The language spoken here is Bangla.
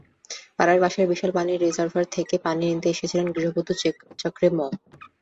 পাড়ার পাশের বিশাল পানির রিজার্ভার থেকে পানি নিতে এসেছিলেন গৃহবধূ চেক্রে ম্রো।